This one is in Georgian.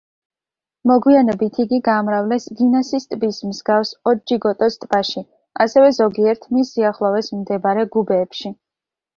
მოგვიანებით იგი გაამრავლეს გინასის ტბის მსგავს ოტჯიკოტოს ტბაში, ასევე ზოგიერთ მის სიახლოვეს მდებარე გუბეებში.